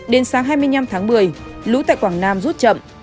đến sáng hai mươi năm tháng một mươi lũ tại quảng nam rút chậm